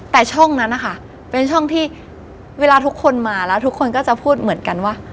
แต่ช่องนั้นนะคะเป็นช่องที่เวลาทุกคนมาแล้วทุกคนก็จะพูดเหมือนกันว่า